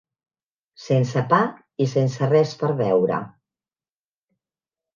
Sense pa i sense res per beure